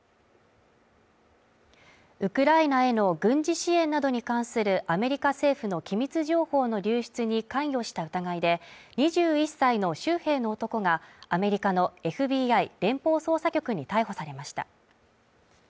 ウクライナへの軍事支援などに関するアメリカ政府の機密情報の流出に関与した疑いで２１歳の州兵の男がアメリカのＦＢＩ＝連邦捜査局に逮捕されました。